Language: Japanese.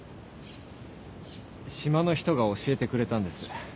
島の人が教えてくれたんです。